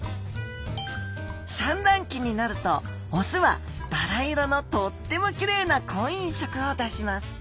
産卵期になるとオスはバラ色のとってもきれいな婚姻色を出します。